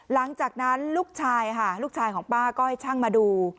หลังจากนั้นลูกชายค่ะลูกชายของป้าก็ให้ช่างมาดู